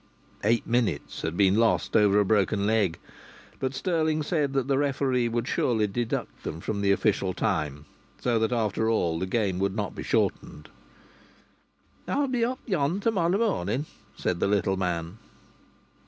Eight minutes had been lost over a broken leg, but Stirling said that the referee would surely deduct them from the official time, so that after all the game would not be shortened. "I'll be up yon, to morra morning," said the little man.